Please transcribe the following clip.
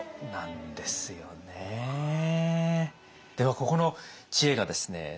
ここの知恵がですね